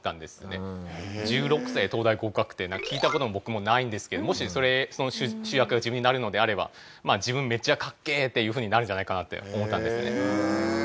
１６歳で東大合格って聞いた事僕もないんですけどもしその主役が自分になるのであれば自分めっちゃかっけー！っていうふうになるんじゃないかなって思ったんですね。